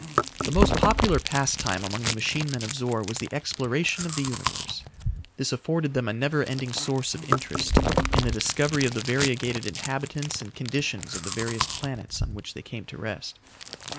The most popular pastime among the machine men of Zor was the exploration of the Universe. This afforded them a never ending source of interest in the discovery of the variegated inhabitants and conditions of the various planets on which they came to rest.